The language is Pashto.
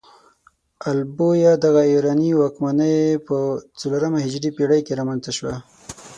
ال بویه دغه ایراني واکمنۍ په څلورمه هجري پيړۍ کې رامنځته شوه.